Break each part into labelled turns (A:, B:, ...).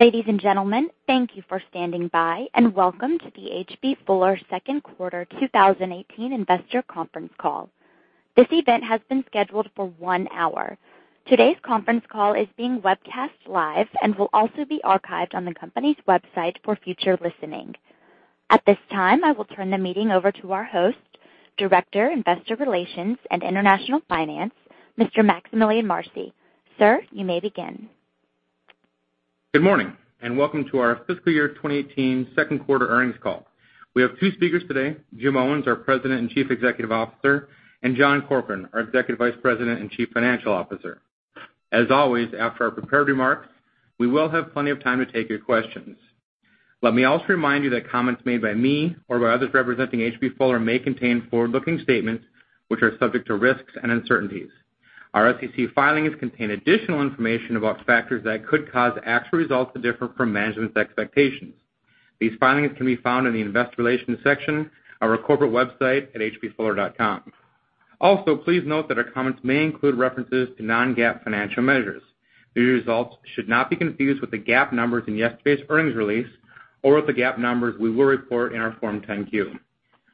A: Ladies and gentlemen, thank you for standing by, welcome to the H.B. Fuller second quarter 2018 investor conference call. This event has been scheduled for one hour. Today's conference call is being webcast live and will also be archived on the company's website for future listening. At this time, I will turn the meeting over to our host, Director, Investor Relations, and International Finance, Mr. Maximillian Marcy. Sir, you may begin.
B: Good morning, welcome to our fiscal year 2018 second quarter earnings call. We have two speakers today, Jim Owens, our President and Chief Executive Officer, and John Corkrean, our Executive Vice President and Chief Financial Officer. As always, after our prepared remarks, we will have plenty of time to take your questions. Let me also remind you that comments made by me or by others representing H.B. Fuller may contain forward-looking statements, which are subject to risks and uncertainties. Our SEC filings contain additional information about factors that could cause actual results to differ from management's expectations. These filings can be found in the Investor Relations section of our corporate website at hbfuller.com. Please note that our comments may include references to non-GAAP financial measures. These results should not be confused with the GAAP numbers in yesterday's earnings release or with the GAAP numbers we will report in our Form 10-Q.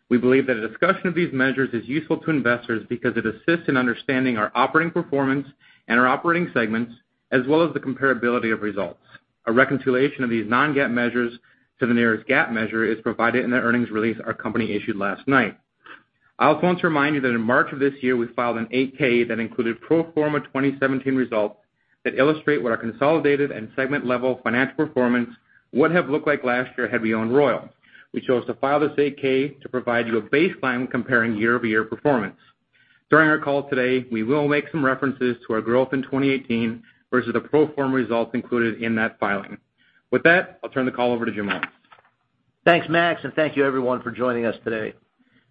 B: We believe that a discussion of these measures is useful to investors because it assists in understanding our operating performance and our operating segments, as well as the comparability of results. A reconciliation of these non-GAAP measures to the nearest GAAP measure is provided in the earnings release our company issued last night. I also want to remind you that in March of this year, we filed an 8-K that included pro forma 2017 results that illustrate what our consolidated and segment-level financial performance would have looked like last year had we owned Royal. We chose to file this 8-K to provide you a baseline when comparing year-over-year performance. During our call today, we will make some references to our growth in 2018 versus the pro forma results included in that filing. With that, I'll turn the call over to Jim Owens.
C: Thanks, Max, and thank you, everyone, for joining us today.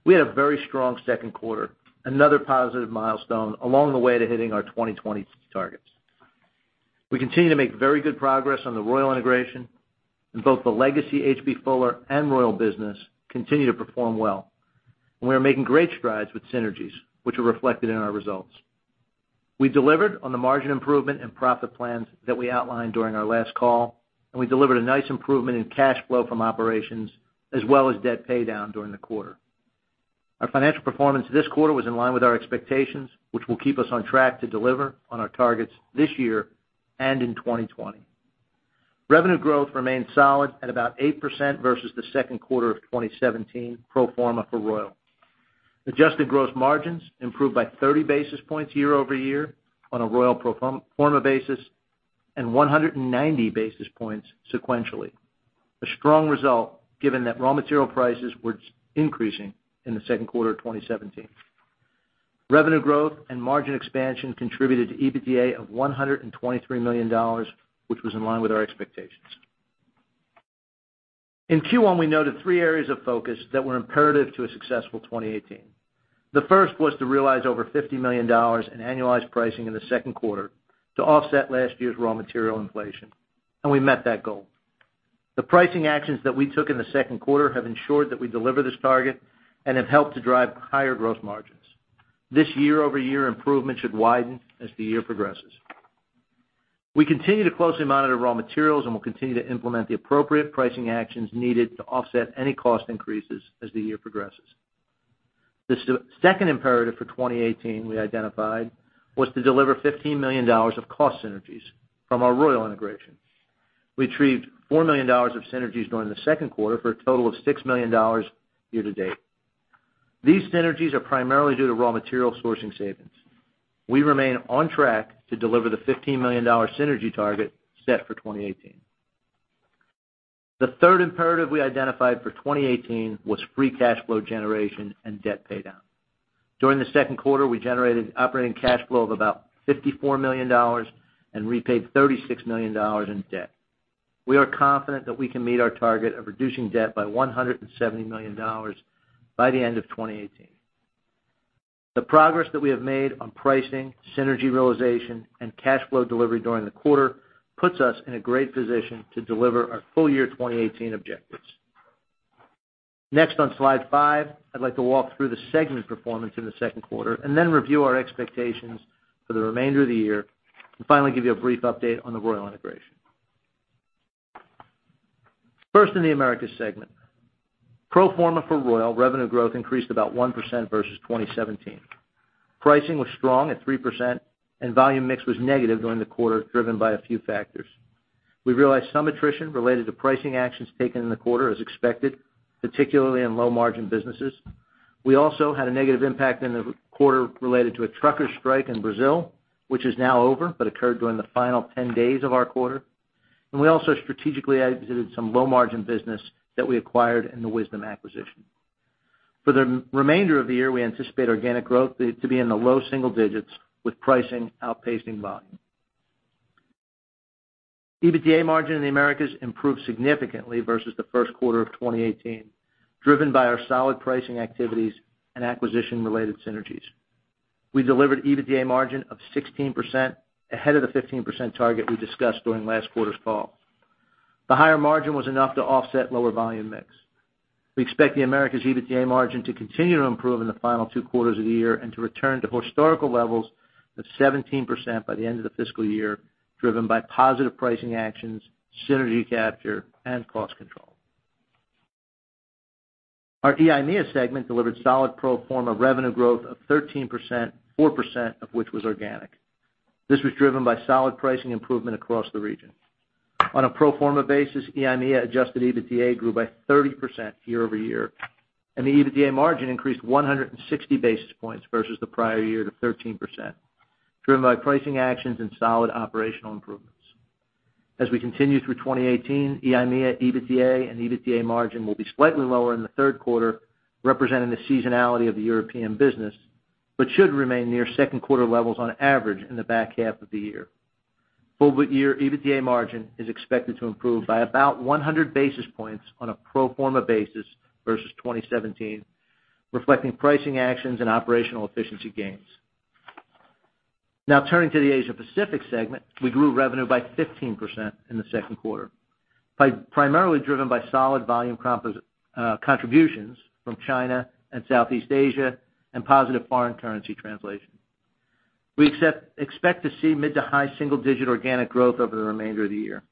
C: We had a very strong second quarter, another positive milestone along the way to hitting our 2020 targets. We continue to make very good progress on the Royal integration. Both the legacy H.B. Fuller and Royal business continue to perform well. We are making great strides with synergies, which are reflected in our results. We delivered on the margin improvement and profit plans that we outlined during our last call. We delivered a nice improvement in cash flow from operations as well as debt paydown during the quarter. Our financial performance this quarter was in line with our expectations, which will keep us on track to deliver on our targets this year and in 2020. Revenue growth remained solid at about 8% versus the second quarter of 2017 pro forma for Royal. Adjusted gross margins improved by 30 basis points year-over-year on a Royal pro forma basis and 190 basis points sequentially. A strong result given that raw material prices were increasing in the second quarter of 2017. Revenue growth and margin expansion contributed to EBITDA of $123 million, which was in line with our expectations. In Q1, we noted three areas of focus that were imperative to a successful 2018. The first was to realize over $50 million in annualized pricing in the second quarter to offset last year's raw material inflation. We met that goal. The pricing actions that we took in the second quarter have ensured that we deliver this target and have helped to drive higher gross margins. This year-over-year improvement should widen as the year progresses. We continue to closely monitor raw materials and will continue to implement the appropriate pricing actions needed to offset any cost increases as the year progresses. The second imperative for 2018 we identified was to deliver $15 million of cost synergies from our Royal integration. We retrieved $4 million of synergies during the second quarter for a total of $6 million year to date. These synergies are primarily due to raw material sourcing savings. We remain on track to deliver the $15 million synergy target set for 2018. The third imperative we identified for 2018 was free cash flow generation and debt paydown. During the second quarter, we generated operating cash flow of about $54 million and repaid $36 million in debt. We are confident that we can meet our target of reducing debt by $170 million by the end of 2018. The progress that we have made on pricing, synergy realization, and cash flow delivery during the quarter puts us in a great position to deliver our full year 2018 objectives. Next on slide five, I'd like to walk through the segment performance in the second quarter and then review our expectations for the remainder of the year and finally give you a brief update on the Royal integration. First in the Americas segment. Pro forma for Royal, revenue growth increased about 1% versus 2017. Pricing was strong at 3% and volume mix was negative during the quarter driven by a few factors. We realized some attrition related to pricing actions taken in the quarter as expected, particularly in low-margin businesses. We also had a negative impact in the quarter related to a truckers' strike in Brazil, which is now over but occurred during the final 10 days of our quarter. We also strategically exited some low-margin business that we acquired in the Wisdom acquisition. For the remainder of the year, we anticipate organic growth to be in the low single digits with pricing outpacing volume. EBITDA margin in the Americas improved significantly versus the first quarter of 2018, driven by our solid pricing activities and acquisition-related synergies. We delivered EBITDA margin of 16%, ahead of the 15% target we discussed during last quarter's call. The higher margin was enough to offset lower volume mix. We expect the Americas EBITDA margin to continue to improve in the final two quarters of the year and to return to historical levels of 17% by the end of the fiscal year, driven by positive pricing actions, synergy capture, and cost control. Our EIMEA segment delivered solid pro forma revenue growth of 13%, 4% of which was organic. This was driven by solid pricing improvement across the region. On a pro forma basis, EIMEA adjusted EBITDA grew by 30% year-over-year, and the EBITDA margin increased 160 basis points versus the prior year to 13%, driven by pricing actions and solid operational improvements. As we continue through 2018, EIMEA EBITDA and EBITDA margin will be slightly lower in the third quarter, representing the seasonality of the European business, but should remain near second quarter levels on average in the back half of the year. Full year EBITDA margin is expected to improve by about 100 basis points on a pro forma basis versus 2017, reflecting pricing actions and operational efficiency gains. Turning to the Asia Pacific segment, we grew revenue by 15% in the second quarter, primarily driven by solid volume contributions from China and Southeast Asia and positive foreign currency translation. We expect to see mid to high single-digit organic growth over the remainder of the year.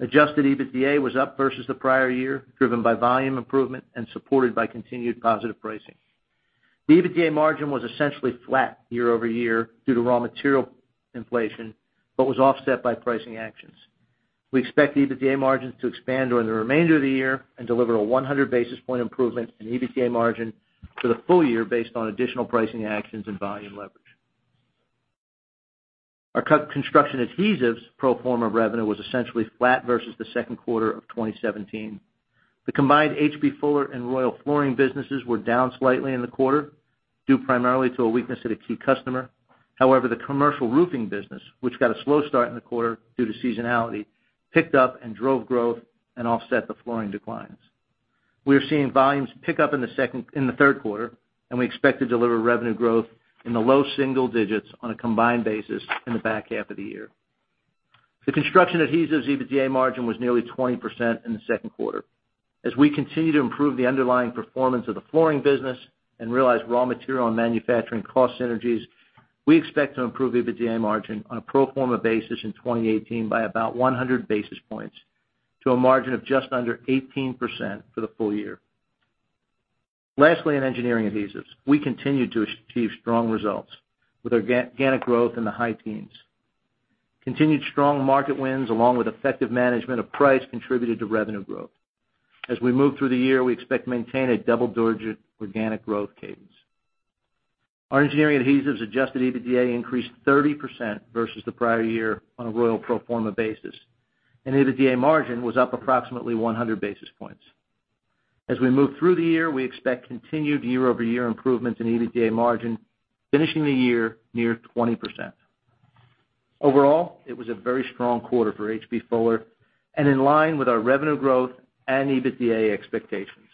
C: Adjusted EBITDA was up versus the prior year, driven by volume improvement and supported by continued positive pricing. The EBITDA margin was essentially flat year-over-year due to raw material inflation, but was offset by pricing actions. We expect the EBITDA margins to expand during the remainder of the year and deliver a 100 basis point improvement in EBITDA margin for the full year based on additional pricing actions and volume leverage. Our Construction Adhesives pro forma revenue was essentially flat versus the second quarter of 2017. The combined H.B. Fuller and Royal Flooring businesses were down slightly in the quarter, due primarily to a weakness at a key customer. The commercial roofing business, which got a slow start in the quarter due to seasonality, picked up and drove growth and offset the flooring declines. We are seeing volumes pick up in the third quarter, and we expect to deliver revenue growth in the low single digits on a combined basis in the back half of the year. The Construction Adhesives EBITDA margin was nearly 20% in the second quarter. As we continue to improve the underlying performance of the flooring business and realize raw material and manufacturing cost synergies, we expect to improve EBITDA margin on a pro forma basis in 2018 by about 100 basis points to a margin of just under 18% for the full year. In Engineering Adhesives, we continued to achieve strong results with organic growth in the high teens. Continued strong market wins, along with effective management of price, contributed to revenue growth. As we move through the year, we expect to maintain a double-digit organic growth cadence. Our Engineering Adhesives adjusted EBITDA increased 30% versus the prior year on a Royal pro forma basis, and EBITDA margin was up approximately 100 basis points. As we move through the year, we expect continued year-over-year improvements in EBITDA margin, finishing the year near 20%. Overall, it was a very strong quarter for H.B. Fuller and in line with our revenue growth and EBITDA expectations.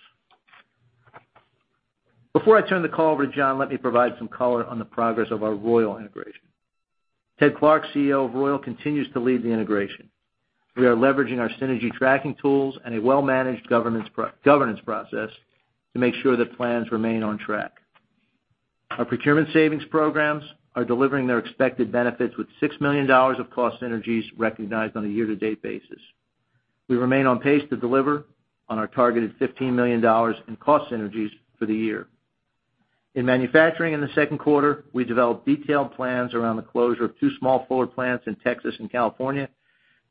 C: Before I turn the call over to John, let me provide some color on the progress of our Royal integration. Ted Clark, CEO of Royal, continues to lead the integration. We are leveraging our synergy tracking tools and a well-managed governance process to make sure that plans remain on track. Our procurement savings programs are delivering their expected benefits, with $6 million of cost synergies recognized on a year-to-date basis. We remain on pace to deliver on our targeted $15 million in cost synergies for the year. In manufacturing in the second quarter, we developed detailed plans around the closure of two small H.B. Fuller plants in Texas and California,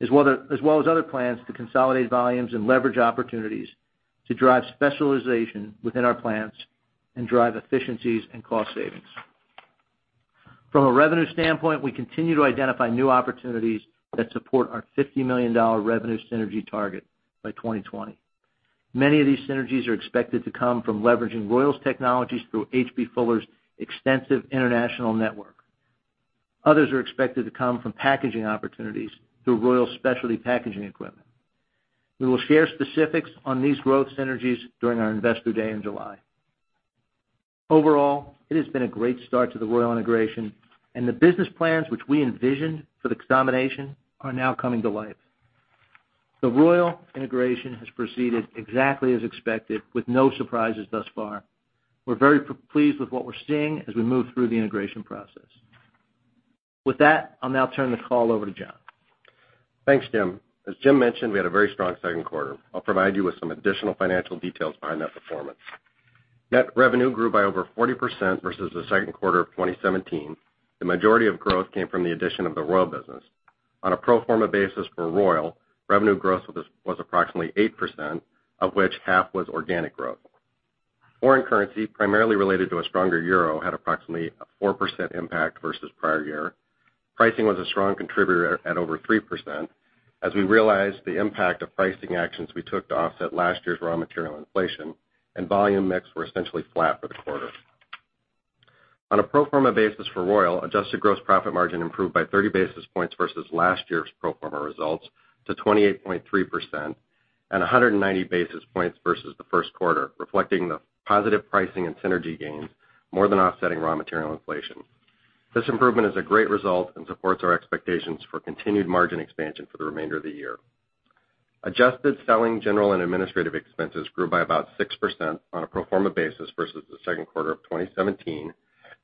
C: as well as other plans to consolidate volumes and leverage opportunities to drive specialization within our plants and drive efficiencies and cost savings. From a revenue standpoint, we continue to identify new opportunities that support our $50 million revenue synergy target by 2020. Many of these synergies are expected to come from leveraging Royal's technologies through H.B. Fuller's extensive international network. Others are expected to come from packaging opportunities through Royal Specialty Packaging Equipment. We will share specifics on these growth synergies during our investor day in July. Overall, it has been a great start to the Royal integration, the business plans, which we envisioned for the combination, are now coming to life. The Royal integration has proceeded exactly as expected, with no surprises thus far. We're very pleased with what we're seeing as we move through the integration process. With that, I'll now turn the call over to John.
D: Thanks, Jim. As Jim mentioned, we had a very strong second quarter. I'll provide you with some additional financial details behind that performance. Net revenue grew by over 40% versus the second quarter of 2017. The majority of growth came from the addition of the Royal business. On a pro forma basis for Royal, revenue growth was approximately 8%, of which half was organic growth. Foreign currency, primarily related to a stronger EUR, had approximately a 4% impact versus prior year. Pricing was a strong contributor at over 3%, as we realized the impact of pricing actions we took to offset last year's raw material inflation, volume mix were essentially flat for the quarter. On a pro forma basis for Royal, adjusted gross profit margin improved by 30 basis points versus last year's pro forma results to 28.3%, and 190 basis points versus the first quarter, reflecting the positive pricing and synergy gains more than offsetting raw material inflation. This improvement is a great result and supports our expectations for continued margin expansion for the remainder of the year. Adjusted selling, general, and administrative expenses grew by about 6% on a pro forma basis versus the second quarter of 2017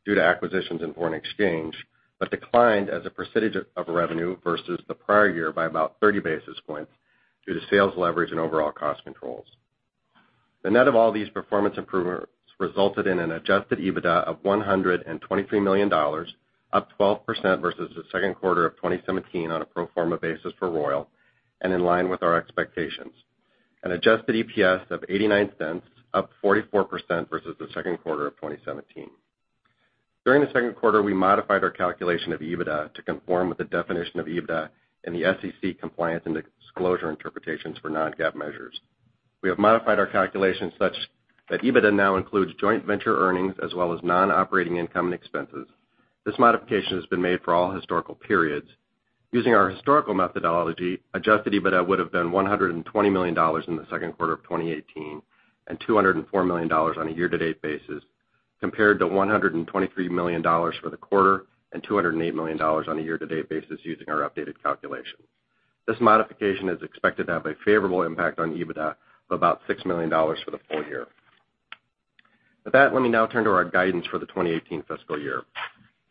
D: due to acquisitions in foreign exchange, but declined as a percentage of revenue versus the prior year by about 30 basis points due to sales leverage and overall cost controls. The net of all these performance improvements resulted in an adjusted EBITDA of $123 million, up 12% versus the second quarter of 2017 on a pro forma basis for Royal and in line with our expectations. An adjusted EPS of $0.89, up 44% versus the second quarter of 2017. During the second quarter, we modified our calculation of EBITDA to conform with the definition of EBITDA in the SEC compliance and disclosure interpretations for non-GAAP measures. We have modified our calculations such that EBITDA now includes joint venture earnings as well as non-operating income and expenses. This modification has been made for all historical periods. Using our historical methodology, adjusted EBITDA would have been $120 million in the second quarter of 2018, and $204 million on a year-to-date basis, compared to $123 million for the quarter and $208 million on a year-to-date basis using our updated calculation. This modification is expected to have a favorable impact on EBITDA of about $6 million for the full year. With that, let me now turn to our guidance for the 2018 fiscal year.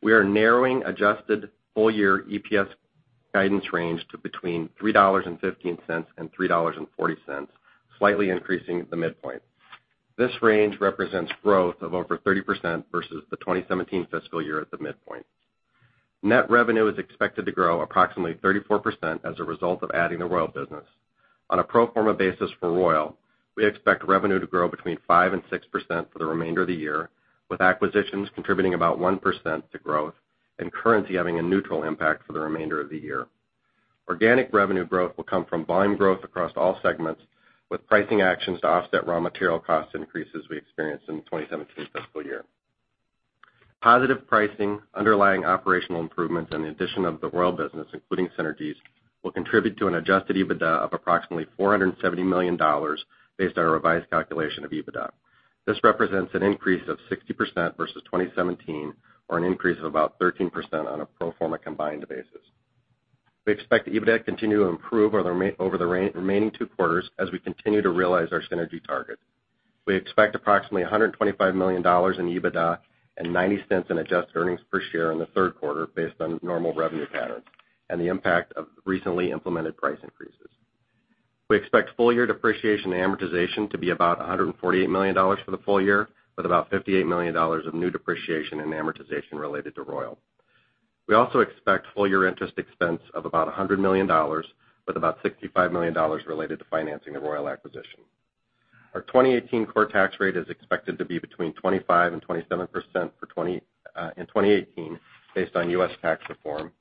D: We are narrowing adjusted full-year EPS guidance range to between $3.15 and $3.40, slightly increasing the midpoint. This range represents growth of over 30% versus the 2017 fiscal year at the midpoint. Net revenue is expected to grow approximately 34% as a result of adding the Royal business. On a pro forma basis for Royal, we expect revenue to grow between 5% and 6% for the remainder of the year, with acquisitions contributing about 1% to growth and currency having a neutral impact for the remainder of the year. Organic revenue growth will come from volume growth across all segments, with pricing actions to offset raw material cost increases we experienced in the 2017 fiscal year. Positive pricing, underlying operational improvements, and the addition of the Royal business, including synergies, will contribute to an adjusted EBITDA of approximately $470 million based on a revised calculation of EBITDA. This represents an increase of 60% versus 2017, or an increase of about 13% on a pro forma combined basis. We expect EBITDA to continue to improve over the remaining two quarters as we continue to realize our synergy targets. We expect approximately $125 million in EBITDA and $0.90 in adjusted earnings per share in the third quarter based on normal revenue patterns and the impact of recently implemented price increases. We expect full-year depreciation and amortization to be about $148 million for the full year, with about $58 million of new depreciation and amortization related to Royal. We also expect full-year interest expense of about $100 million, with about $65 million related to financing the Royal acquisition. Our 2018 core tax rate is expected to be between 25% and 27% in 2018 based on U.S. tax reform.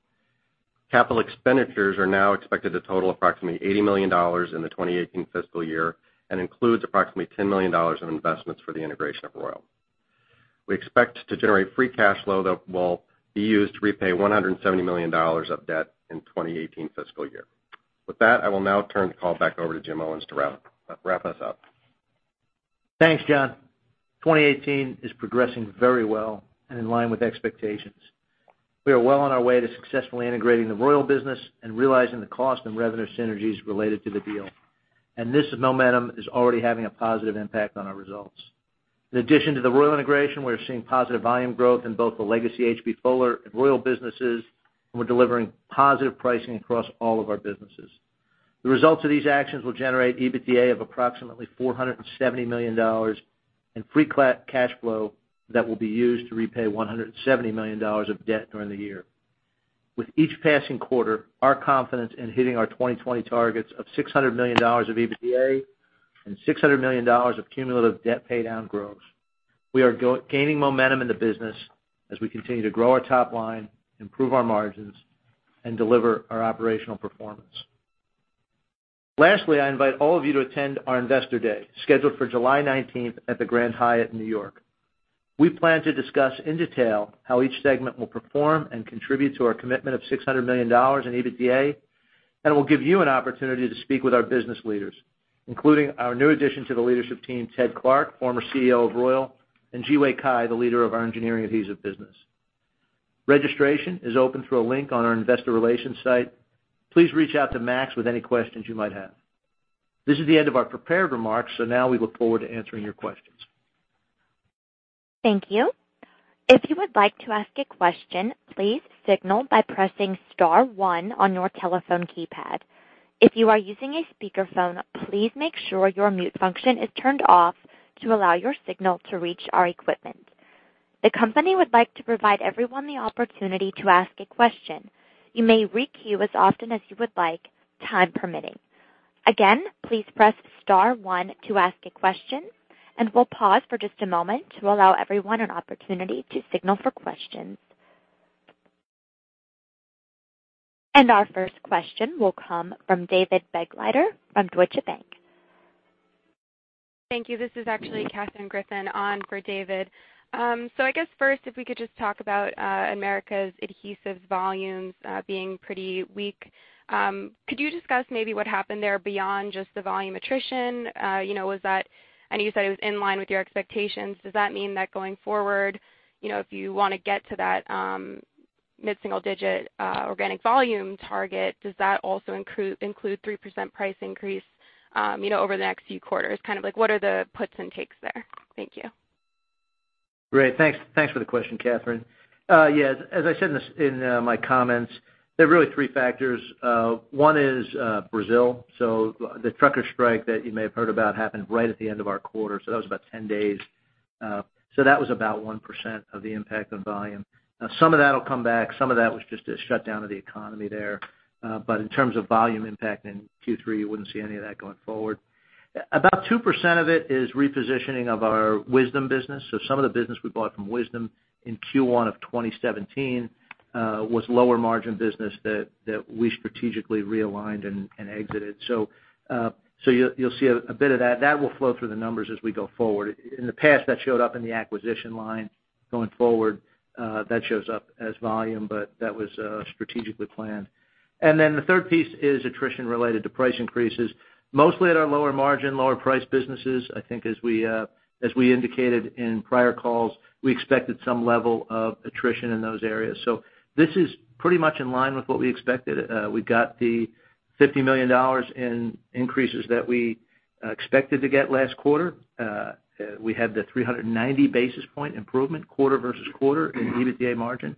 D: Capital expenditures are now expected to total approximately $80 million in the 2018 fiscal year and includes approximately $10 million in investments for the integration of Royal. We expect to generate free cash flow that will be used to repay $170 million of debt in 2018 fiscal year. With that, I will now turn the call back over to Jim Owens to wrap us up.
C: Thanks, John. 2018 is progressing very well and in line with expectations. We are well on our way to successfully integrating the Royal business and realizing the cost and revenue synergies related to the deal. This momentum is already having a positive impact on our results. In addition to the Royal integration, we're seeing positive volume growth in both the legacy H.B. Fuller and Royal businesses, we're delivering positive pricing across all of our businesses. The results of these actions will generate EBITDA of approximately $470 million in free cash flow that will be used to repay $170 million of debt during the year. With each passing quarter, our confidence in hitting our 2020 targets of $600 million of EBITDA and $600 million of cumulative debt paydown grows. We are gaining momentum in the business as we continue to grow our top line, improve our margins, and deliver our operational performance. Lastly, I invite all of you to attend our Investor Day, scheduled for July 19th at the Grand Hyatt, New York. We plan to discuss in detail how each segment will perform and contribute to our commitment of $600 million in EBITDA, we'll give you an opportunity to speak with our business leaders, including our new addition to the leadership team, Theodore Clark, former CEO of Royal, and Zhiwei Cai, the leader of our Engineering Adhesives business. Registration is open through a link on our investor relations site. Please reach out to Max with any questions you might have. Now we look forward to answering your questions.
A: Thank you. If you would like to ask a question, please signal by pressing *1 on your telephone keypad. If you are using a speakerphone, please make sure your mute function is turned off to allow your signal to reach our equipment. The company would like to provide everyone the opportunity to ask a question. You may requeue as often as you would like, time permitting. Again, please press *1 to ask a question, we'll pause for just a moment to allow everyone an opportunity to signal for questions. Our first question will come from David Begleiter from Deutsche Bank.
E: Thank you. This is actually Katherine Griffin on for David. I guess first, if we could just talk about Americas adhesives volumes being pretty weak. Could you discuss maybe what happened there beyond just the volume attrition? I know you said it was in line with your expectations. Does that mean that going forward, if you want to get to that mid-single-digit organic volume target, does that also include 3% price increase over the next few quarters? What are the puts and takes there? Thank you.
C: Great. Thanks for the question, Katherine. Yeah. As I said in my comments, there are really three factors. One is Brazil. The trucker strike that you may have heard about happened right at the end of our quarter. That was about 10 days. That was about 1% of the impact on volume. Now, some of that'll come back. Some of that was just a shutdown of the economy there. In terms of volume impact in Q3, you wouldn't see any of that going forward. About 2% of it is repositioning of our Wisdom business. Some of the business we bought from Wisdom in Q1 of 2017 was lower margin business that we strategically realigned and exited. You'll see a bit of that. That will flow through the numbers as we go forward. In the past, that showed up in the acquisition line. Going forward, that shows up as volume, that was strategically planned. The third piece is attrition related to price increases, mostly at our lower margin, lower price businesses. I think as we indicated in prior calls, we expected some level of attrition in those areas. This is pretty much in line with what we expected. We got the $50 million in increases that we expected to get last quarter. We had the 390 basis point improvement quarter versus quarter in EBITDA margin.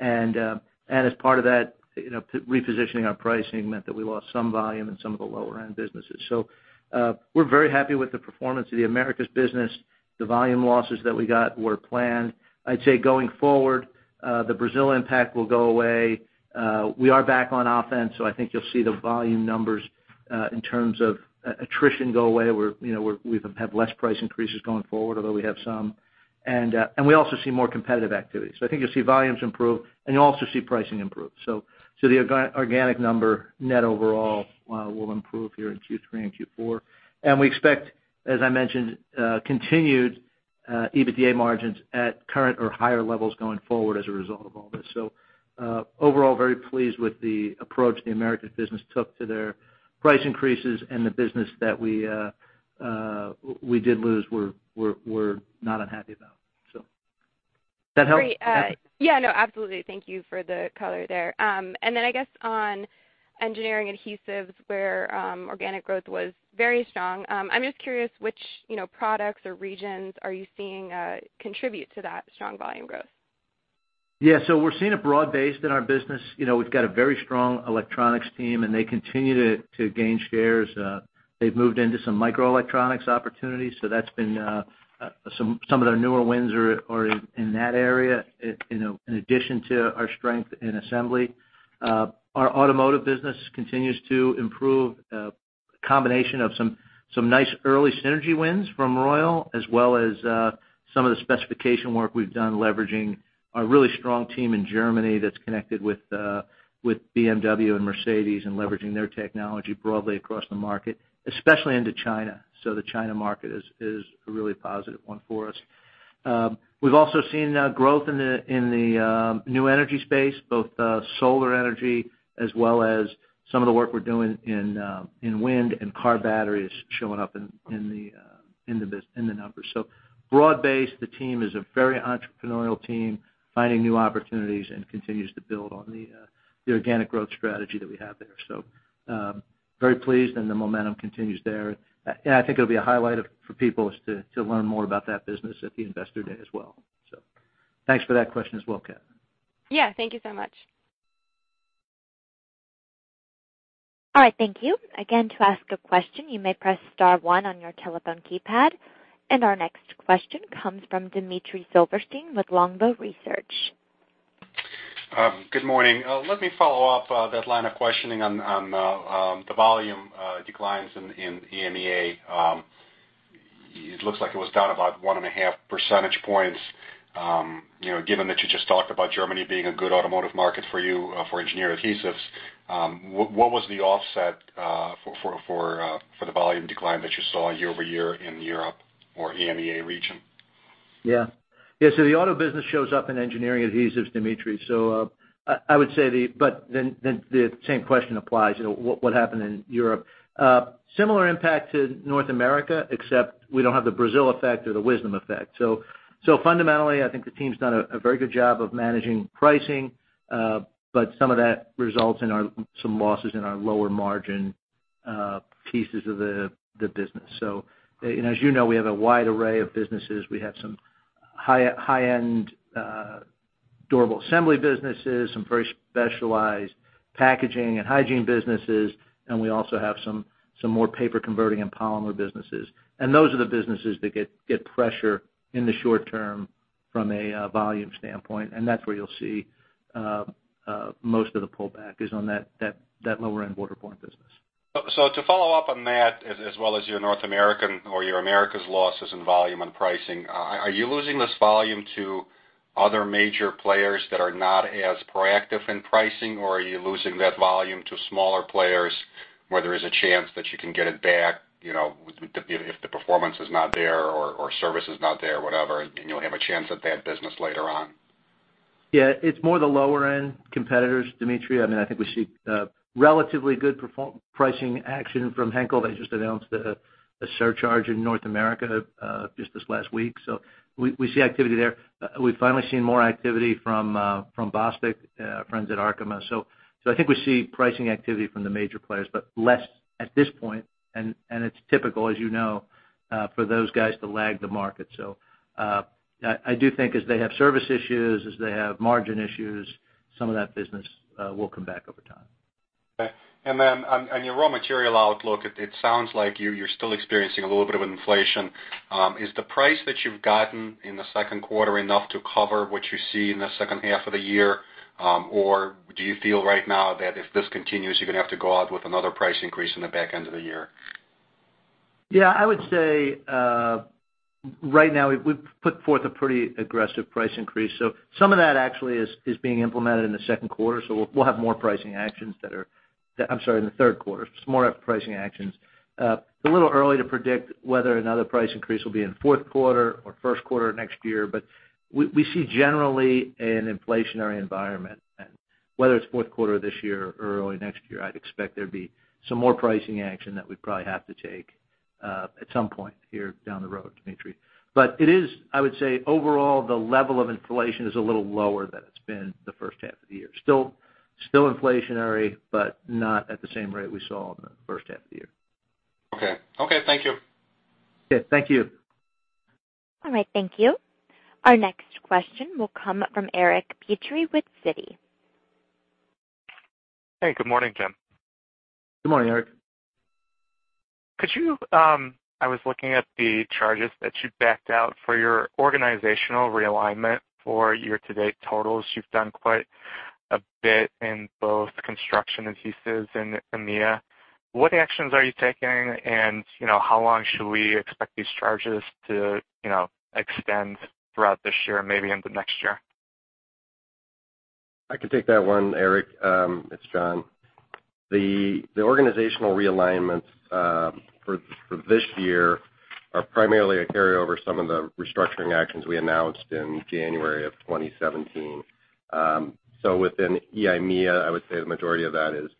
C: As part of that repositioning our pricing meant that we lost some volume in some of the lower end businesses. We're very happy with the performance of the Americas business. The volume losses that we got were planned. I'd say going forward, the Brazil impact will go away. We are back on offense, I think you'll see the volume numbers in terms of attrition go away. We have less price increases going forward, although we have some. We also see more competitive activity. I think you'll see volumes improve and you'll also see pricing improve. The organic number net overall will improve here in Q3 and Q4. We expect, as I mentioned, continued EBITDA margins at current or higher levels going forward as a result of all this. Overall, very pleased with the approach the Americas business took to their price increases and the business that we did lose we're not unhappy about. Does that help, Katherine?
E: No, absolutely. Thank you for the color there. I guess on Engineering Adhesives, where organic growth was very strong, I'm just curious which products or regions are you seeing contribute to that strong volume growth?
C: We're seeing it broad-based in our business. We've got a very strong electronics team and they continue to gain shares. They've moved into some microelectronics opportunities. Some of their newer wins are in that area, in addition to our strength in assembly. Our automotive business continues to improve. A combination of some nice early synergy wins from Royal as well as some of the specification work we've done leveraging our really strong team in Germany that's connected with BMW and Mercedes-Benz and leveraging their technology broadly across the market, especially into China. The China market is a really positive one for us. We've also seen growth in the new energy space, both solar energy as well as some of the work we're doing in wind and car batteries showing up in the numbers. Broad-based. The team is a very entrepreneurial team, finding new opportunities and continues to build on the organic growth strategy that we have there. Very pleased and the momentum continues there. I think it'll be a highlight for people to learn more about that business at the investor day as well. Thanks for that question as well, Katherine.
E: Thank you so much.
A: All right. Thank you. Again, to ask a question, you may press *1 on your telephone keypad. Our next question comes from Dmitry Silver with Longbow Research.
F: Good morning. Let me follow up that line of questioning on the volume declines in EMEA. It looks like it was down about one and a half percentage points. Given that you just talked about Germany being a good automotive market for you for Engineering Adhesives, what was the offset for the volume decline that you saw year-over-year in Europe or EMEA region?
C: Yeah. The auto business shows up in Engineering Adhesives, Dmitry. The same question applies, what happened in Europe? Similar impact to North America except we don't have the Brazil effect or the Wisdom effect. Fundamentally, I think the team's done a very good job of managing pricing. Some of that results in some losses in our lower margin pieces of the business. As you know, we have a wide array of businesses. We have some high-end durable assembly businesses, some very specialized packaging and hygiene businesses, and we also have some more paper converting and polymer businesses. Those are the businesses that get pressure in the short term from a volume standpoint and that's where you'll see most of the pullback is on that lower-end [inaudible] business.
F: To follow up on that as well as your North American or your Americas losses in volume and pricing, are you losing this volume to other major players that are not as proactive in pricing or are you losing that volume to smaller players where there is a chance that you can get it back if the performance is not there or service is not there, whatever, and you'll have a chance at that business later on?
C: Yeah, it's more the lower end competitors, Dmitry. I think we see relatively good pricing action from Henkel. They just announced a surcharge in North America just this last week. We see activity there. We've finally seen more activity from Bostik, our friends at Arkema. I think we see pricing activity from the major players, but less at this point, and it's typical, as you know, for those guys to lag the market. I do think as they have service issues, as they have margin issues, some of that business will come back over time.
F: Okay. On your raw material outlook, it sounds like you're still experiencing a little bit of inflation. Is the price that you've gotten in the second quarter enough to cover what you see in the second half of the year? Do you feel right now that if this continues, you're going to have to go out with another price increase in the back end of the year?
C: Yeah, I would say, right now we've put forth a pretty aggressive price increase. Some of that actually is being implemented in the second quarter, so we'll have more pricing actions in the third quarter. It's a little early to predict whether another price increase will be in fourth quarter or first quarter of next year. We see generally an inflationary environment, and whether it's fourth quarter this year or early next year, I'd expect there'd be some more pricing action that we'd probably have to take at some point here down the road, Dmitry. It is, I would say, overall, the level of inflation is a little lower than it's been the first half of the year. Still inflationary, but not at the same rate we saw in the first half of the year.
F: Okay. Thank you.
C: Okay. Thank you.
A: All right. Thank you. Our next question will come from Eric Petrie with Citi.
G: Hey, good morning, Jim.
C: Good morning, Eric.
G: I was looking at the charges that you backed out for your organizational realignment for year-to-date totals. You've done quite a bit in both Construction Adhesives and EIMEA. How long should we expect these charges to extend throughout this year, maybe into next year?
D: I can take that one, Eric. It's John. The organizational realignments for this year are primarily a carryover of some of the restructuring actions we announced in January of 2017. Within EIMEA, I would say the majority of that is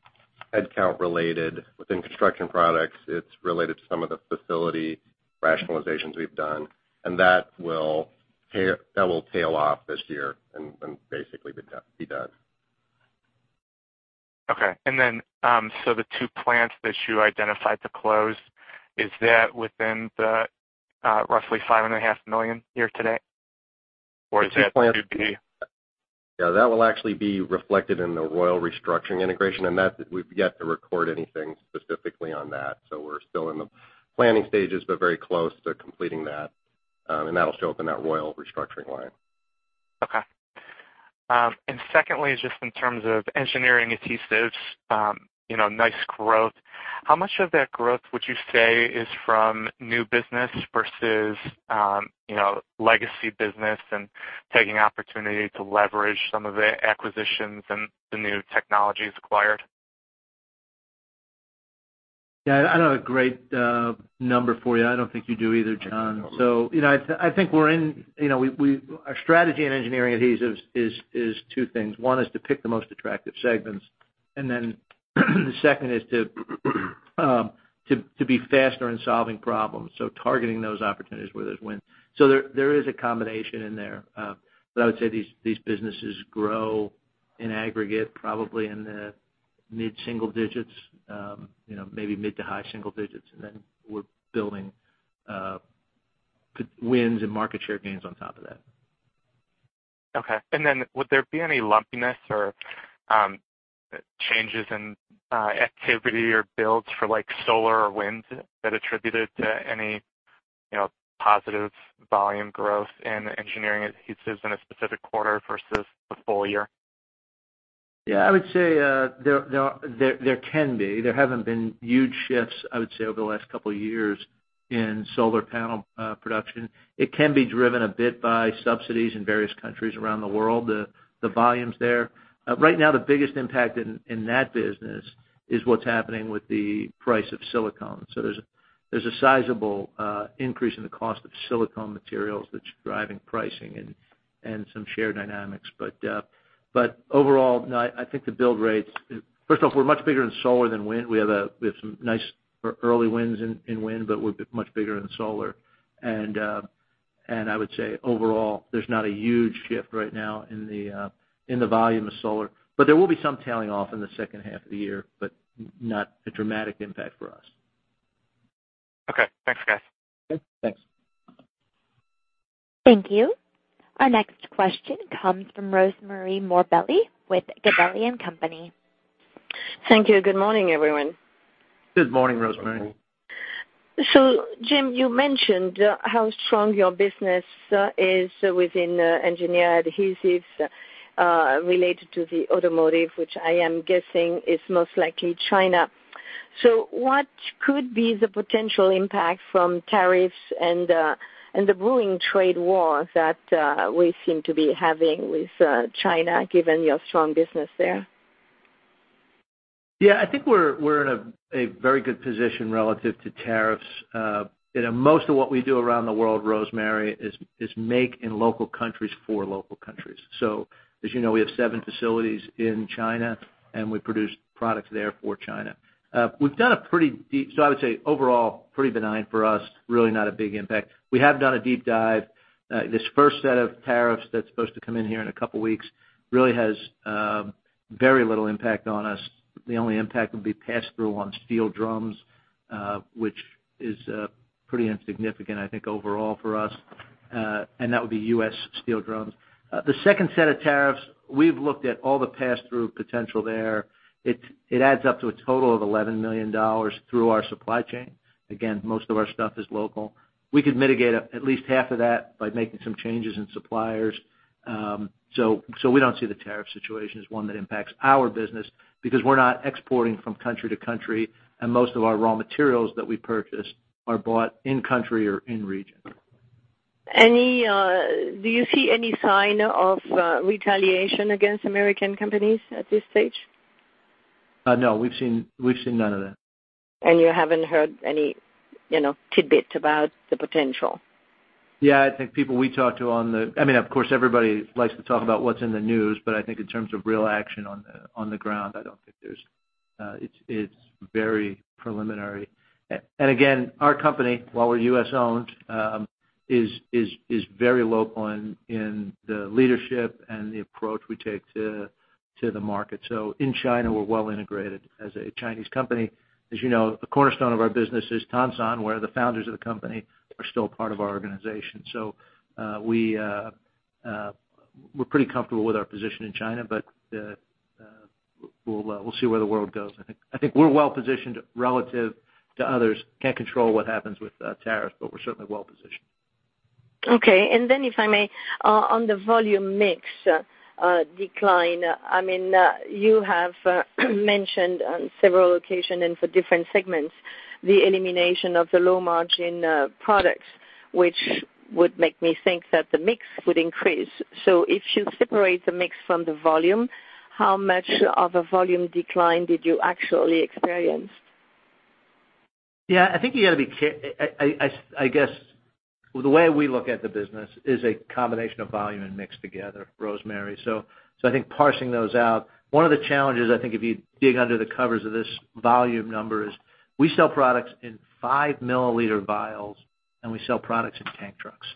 D: headcount related. Within Construction Adhesives, it's related to some of the facility rationalizations we've done. That will tail off this year and basically be done.
G: Okay. The two plants that you identified to close, is that within the roughly five and a half million year-to-date? Or is that to be-
D: Yeah, that will actually be reflected in the Royal restructuring integration. That we've yet to record anything specifically on that. We're still in the planning stages, but very close to completing that. That'll show up in that Royal restructuring line.
G: Secondly, just in terms of Engineering Adhesives, nice growth. How much of that growth would you say is from new business versus legacy business and taking opportunity to leverage some of the acquisitions and the new technologies acquired?
C: Yeah. I don't have a great number for you. I don't think you do either, John. I think our strategy in Engineering Adhesives is two things. One is to pick the most attractive segments, then the second is to be faster in solving problems, targeting those opportunities where there's win. There is a combination in there. I would say these businesses grow in aggregate probably in the mid-single digits, maybe mid to high single digits. Then we're building wins and market share gains on top of that.
G: Okay. Would there be any lumpiness or changes in activity or builds for solar or wind that attributed to any positive volume growth in Engineering Adhesives in a specific quarter versus the full year?
C: Yeah, I would say there can be. There haven't been huge shifts, I would say, over the last couple of years in solar panel production. It can be driven a bit by subsidies in various countries around the world, the volumes there. Right now, the biggest impact in that business is what's happening with the price of silicone. There's a sizable increase in the cost of silicone materials that's driving pricing and some share dynamics. Overall, I think first off, we're much bigger in solar than wind. We have some nice early wins in wind, but we're much bigger in solar. I would say overall, there's not a huge shift right now in the volume of solar. There will be some tailing off in the second half of the year, but not a dramatic impact for us.
G: Okay. Thanks, guys.
C: Okay. Thanks.
A: Thank you. Our next question comes from Rosemarie Morbelli with Gabelli & Company.
H: Thank you. Good morning, everyone.
C: Good morning, Rosemarie.
H: Jim, you mentioned how strong your business is within Engineering Adhesives related to the automotive, which I am guessing is most likely China. What could be the potential impact from tariffs and the brewing trade war that we seem to be having with China, given your strong business there?
C: Yeah, I think we're in a very good position relative to tariffs. Most of what we do around the world, Rosemarie, is make in local countries for local countries. As you know, we have seven facilities in China, and we produce products there for China. I would say overall, pretty benign for us, really not a big impact. We have done a deep dive. This first set of tariffs that's supposed to come in here in a couple of weeks really has very little impact on us. The only impact would be pass-through on steel drums, which is pretty insignificant, I think, overall for us. And that would be U.S. steel drums. The second set of tariffs, we've looked at all the pass-through potential there. It adds up to a total of $11 million through our supply chain. Again, most of our stuff is local. We could mitigate at least half of that by making some changes in suppliers. We don't see the tariff situation as one that impacts our business because we're not exporting from country to country, and most of our raw materials that we purchase are bought in country or in region.
H: Do you see any sign of retaliation against American companies at this stage?
C: No. We've seen none of that.
H: You haven't heard any tidbits about the potential?
C: I think people we talk to. Of course, everybody likes to talk about what's in the news. I think in terms of real action on the ground, I don't think there's It's very preliminary. Again, our company, while we're U.S.-owned, is very local in the leadership and the approach we take to the market. In China, we're well-integrated as a Chinese company. As you know, the cornerstone of our business is Tonsan, where the founders of the company are still part of our organization. We're pretty comfortable with our position in China. We'll see where the world goes. I think we're well-positioned relative to others. Can't control what happens with tariffs. We're certainly well-positioned.
H: Okay. If I may, on the volume mix decline, you have mentioned on several occasions and for different segments, the elimination of the low-margin products, which would make me think that the mix would increase. If you separate the mix from the volume, how much of a volume decline did you actually experience?
C: Yeah, I think you got to be, I guess the way we look at the business is a combination of volume and mix together, Rosemarie. I think parsing those out, one of the challenges, I think, if you dig under the covers of this volume number is we sell products in five-milliliter vials, and we sell products in tank trucks.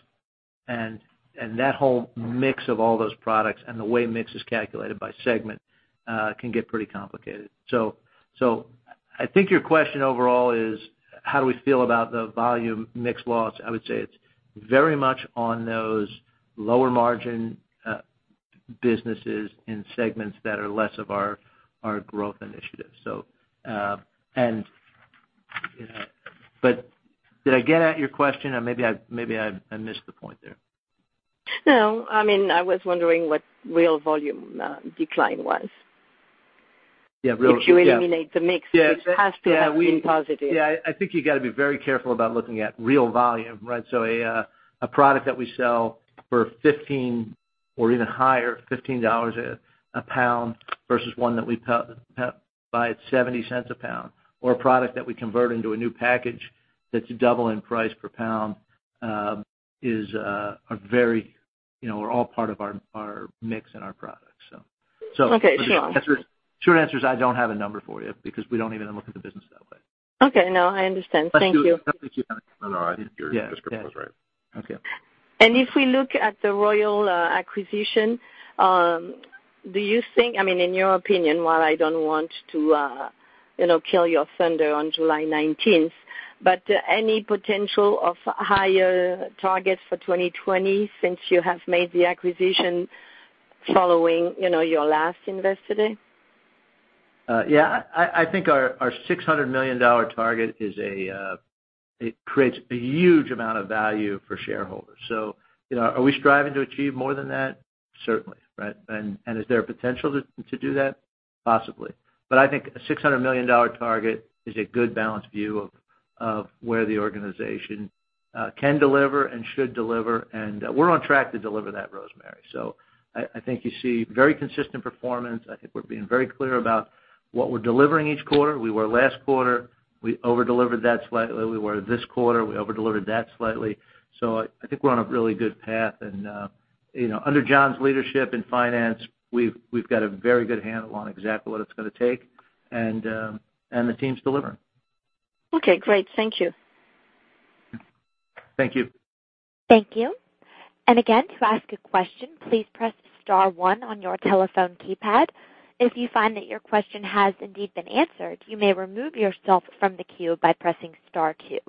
C: That whole mix of all those products and the way mix is calculated by segment, can get pretty complicated. I think your question overall is how do we feel about the volume mix loss? I would say it's very much on those lower margin businesses in segments that are less of our growth initiatives. Did I get at your question, or maybe I missed the point there.
H: No, I was wondering what real volume decline was.
C: Yeah.
H: If you eliminate the mix-
C: Yeah.
H: it has to have been positive.
C: Yeah. I think you got to be very careful about looking at real volume, right? A product that we sell for 15 or even higher, $15 a pound versus one that we buy at $0.70 a pound, or a product that we convert into a new package that's double in price per pound, are all part of our mix and our products.
H: Okay, sure.
C: Short answer is, I don't have a number for you because we don't even look at the business that way.
H: Okay. No, I understand. Thank you.
C: No, I think your description was right. Okay.
H: If we look at the Royal acquisition, do you think, in your opinion, while I don't want to kill your thunder on July 19th, but any potential of higher targets for 2020 since you have made the acquisition following your last Investor Day?
C: Yeah. I think our $600 million target creates a huge amount of value for shareholders. Are we striving to achieve more than that? Certainly. Right? Is there a potential to do that? Possibly. I think a $600 million target is a good balanced view of where the organization can deliver and should deliver, and we're on track to deliver that, Rosemarie. I think you see very consistent performance. I think we're being very clear about what we're delivering each quarter. We were last quarter. We over-delivered that slightly. We were this quarter. We over-delivered that slightly. I think we're on a really good path and under John's leadership in finance, we've got a very good handle on exactly what it's going to take, and the team's delivering.
H: Okay, great. Thank you.
C: Thank you.
A: Thank you. Again, to ask a question, please press star one on your telephone keypad. If you find that your question has indeed been answered, you may remove yourself from the queue by pressing star two.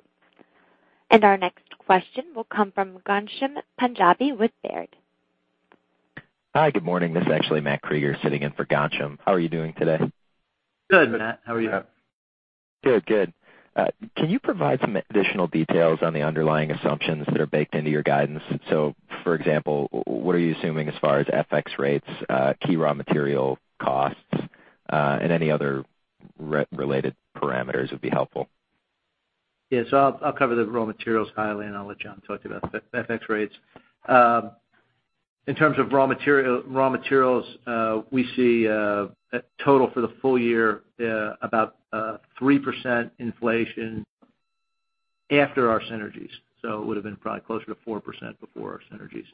A: Our next question will come from Ghansham Panjabi with Baird.
I: Hi, good morning. This is actually Matthew Krueger sitting in for Ghansham. How are you doing today?
C: Good, Matt. How are you?
I: Good. Can you provide some additional details on the underlying assumptions that are baked into your guidance? For example, what are you assuming as far as FX rates, key raw material costs, and any other related parameters would be helpful.
C: Yeah. I'll cover the raw materials, Kylie, and I'll let John talk about FX rates. In terms of raw materials, we see a total for the full year about 3% inflation after our synergies. It would've been probably closer to 4% before our synergies.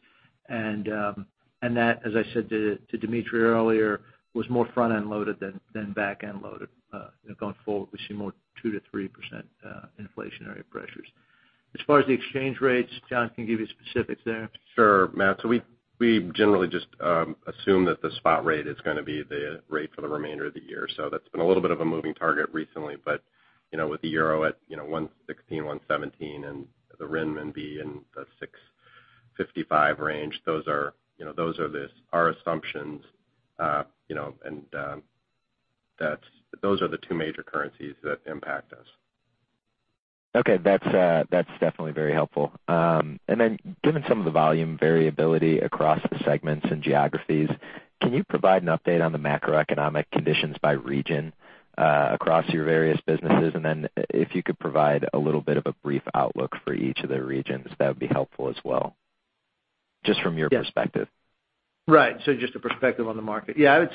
C: That, as I said to Dmitry earlier, was more front-end loaded than back-end loaded. Going forward, we see more 2%-3% inflationary pressures. As far as the exchange rates, John can give you specifics there.
D: Sure, Matt. We generally just assume that the spot rate is going to be the rate for the remainder of the year. That's been a little bit of a moving target recently, but with the EUR at 116, 117 and the CNY in the 655 range, those are our assumptions. Those are the two major currencies that impact us.
I: Okay. That's definitely very helpful. Given some of the volume variability across the segments and geographies, can you provide an update on the macroeconomic conditions by region, across your various businesses? If you could provide a little bit of a brief outlook for each of the regions, that would be helpful as well, just from your perspective.
C: Right. Just a perspective on the market.
I: Yeah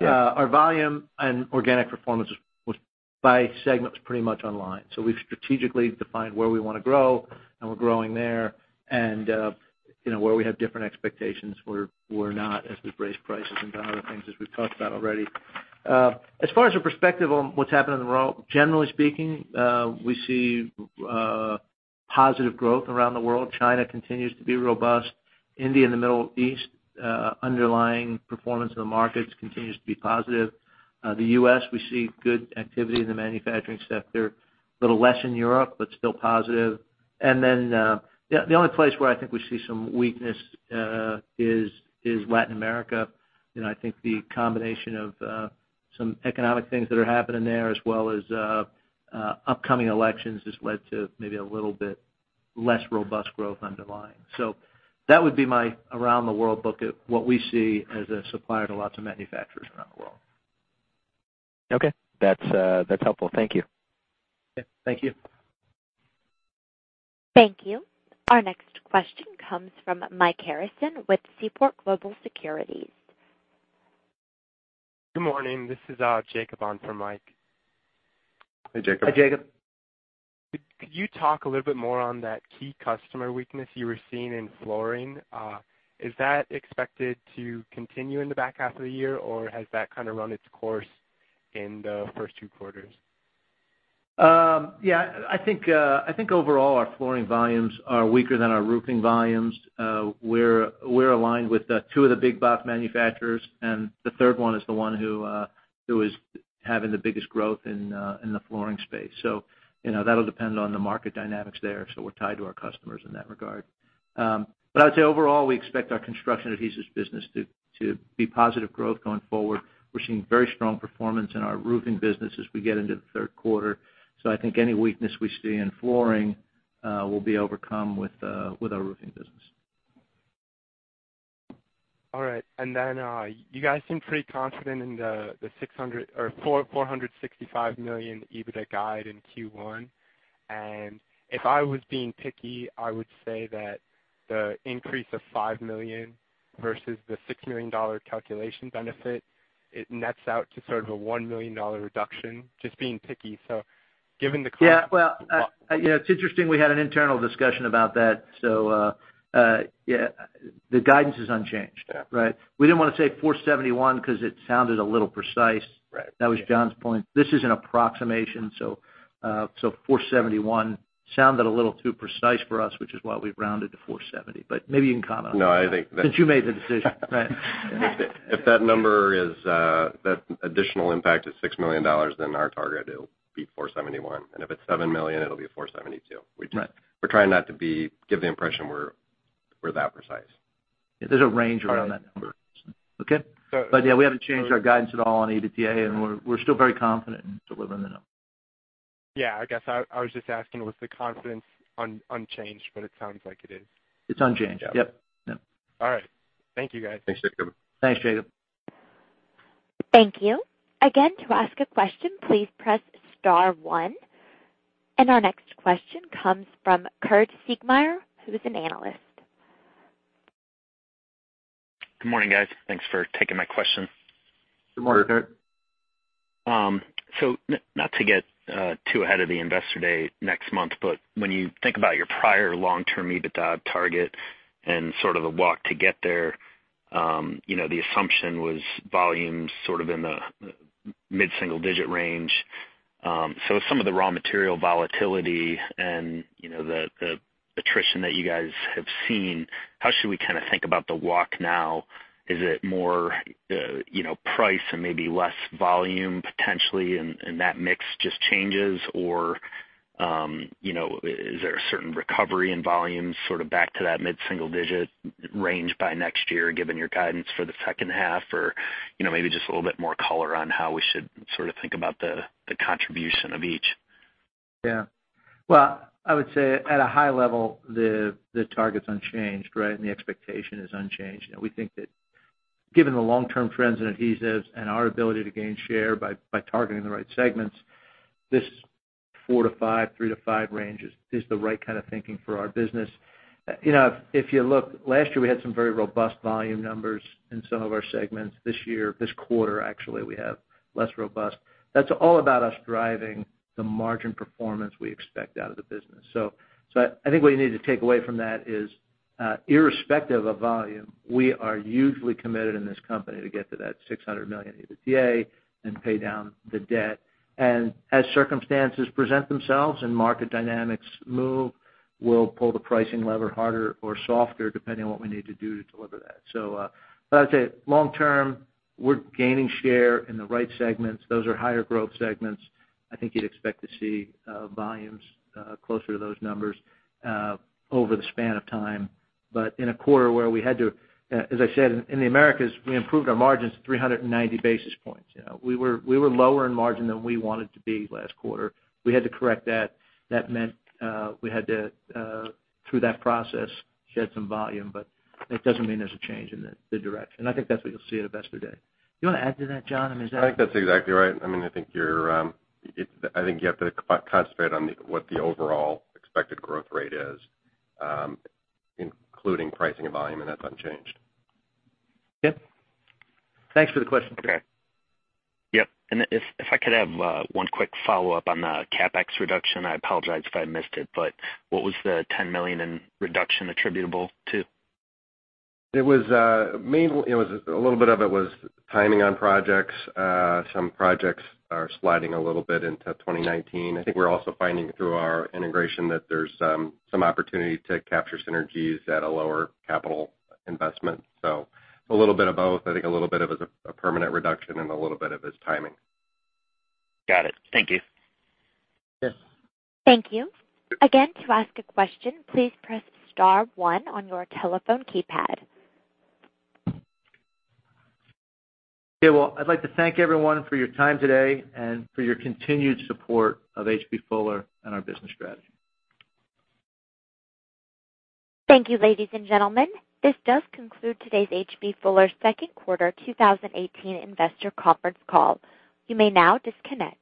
C: Our volume and organic performance by segment was pretty much online. We've strategically defined where we want to grow, and we're growing there, and where we have different expectations, we're not as we've raised prices and done other things as we've talked about already. As far as the perspective on what's happening in the world, generally speaking, we see positive growth around the world. China continues to be robust. India and the Middle East, underlying performance in the markets continues to be positive. The U.S., we see good activity in the manufacturing sector. A little less in Europe, but still positive. The only place where I think we see some weakness is Latin America. I think the combination of some economic things that are happening there as well as upcoming elections has led to maybe a little bit less robust growth underlying. That would be my around the world look at what we see as a supplier to lots of manufacturers around the world.
I: Okay. That's helpful. Thank you.
C: Okay. Thank you.
A: Thank you. Our next question comes from Michael Harrison with Seaport Global Securities.
J: Good morning. This is Jacob on for Mike.
D: Hey, Jacob.
C: Hi, Jacob.
J: Could you talk a little bit more on that key customer weakness you were seeing in flooring? Is that expected to continue in the back half of the year, or has that kind of run its course in the first two quarters?
C: Yeah. I think, overall, our flooring volumes are weaker than our roofing volumes. We're aligned with two of the big box manufacturers, and the third one is the one who is having the biggest growth in the flooring space. That'll depend on the market dynamics there. We're tied to our customers in that regard. I would say overall, we expect our Construction Adhesives business to be positive growth going forward. We're seeing very strong performance in our roofing business as we get into the third quarter. I think any weakness we see in flooring will be overcome with our roofing business.
J: All right. You guys seem pretty confident in the $465 million EBITDA guide in Q1. If I was being picky, I would say that the increase of $5 million versus the $6 million calculation benefit, it nets out to sort of a $1 million reduction, just being picky.
C: Yeah. Well, it's interesting, we had an internal discussion about that. The guidance is unchanged.
J: Yeah.
C: Right. We didn't want to say $471 million because it sounded a little precise.
J: Right.
C: That was John's point. This is an approximation, 471 sounded a little too precise for us, which is why we've rounded to 470. Maybe you can comment on that.
D: No, I think that-
C: Since you made the decision, right?
D: If that number that additional impact is $6 million, our target will be 471. If it's $7 million, it'll be a 472.
C: Right.
D: We're trying not to give the impression we're that precise.
C: There's a range around that number. Okay? Yeah, we haven't changed our guidance at all on EBITDA, and we're still very confident in delivering the number.
J: Yeah, I guess I was just asking was the confidence unchanged, but it sounds like it is.
C: It's unchanged.
J: Yeah.
C: Yep.
J: All right. Thank you, guys.
D: Thanks, Jacob.
C: Thanks, Jacob.
A: Thank you. Again, to ask a question, please press star one. Our next question comes from Curt Siegmeyer, who is an analyst.
K: Good morning, guys. Thanks for taking my question.
C: Good morning, Curt.
K: Not to get too ahead of the investor day next month, but when you think about your prior long-term EBITDA target and sort of the walk to get there, the assumption was volume sort of in the mid-single-digit range. Some of the raw material volatility and the attrition that you guys have seen, how should we kind of think about the walk now? Is it more price and maybe less volume potentially and that mix just changes, or is there a certain recovery in volumes sort of back to that mid-single-digit range by next year, given your guidance for the second half? Or maybe just a little bit more color on how we should sort of think about the contribution of each.
C: Yeah. Well, I would say at a high level, the target's unchanged, right? The expectation is unchanged. We think that given the long-term trends in adhesives and our ability to gain share by targeting the right segments, this four to five, three to five range is the right kind of thinking for our business. If you look, last year we had some very robust volume numbers in some of our segments. This year, this quarter, actually, we have less robust. That's all about us driving the margin performance we expect out of the business. I think what you need to take away from that is irrespective of volume, we are usually committed in this company to get to that $600 million EBITDA and pay down the debt. As circumstances present themselves and market dynamics move, we'll pull the pricing lever harder or softer, depending on what we need to do to deliver that. That's it. Long term, we're gaining share in the right segments. Those are higher growth segments. I think you'd expect to see volumes closer to those numbers over the span of time. In a quarter where, as I said, in the Americas, we improved our margins 390 basis points. We were lower in margin than we wanted to be last quarter. We had to correct that. That meant we had to, through that process, shed some volume, but it doesn't mean there's a change in the direction. I think that's what you'll see at Investor Day. Do you want to add to that, John?
D: I think that's exactly right. I think you have to concentrate on what the overall expected growth rate is, including pricing and volume, and that's unchanged.
C: Yep. Thanks for the question.
D: Okay.
K: Yep. If I could have one quick follow-up on the CapEx reduction. I apologize if I missed it, what was the $10 million in reduction attributable to?
D: A little bit of it was timing on projects. Some projects are sliding a little bit into 2019. I think we're also finding through our integration that there's some opportunity to capture synergies at a lower capital investment. A little bit of both. I think a little bit of it's a permanent reduction, and a little bit of it's timing.
K: Got it. Thank you.
C: Sure.
A: Thank you. Again, to ask a question, please press *1 on your telephone keypad.
C: Well, I'd like to thank everyone for your time today and for your continued support of H.B. Fuller and our business strategy.
A: Thank you, ladies and gentlemen. This does conclude today's H.B. Fuller second quarter 2018 investor conference call. You may now disconnect.